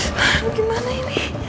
aduh gimana ini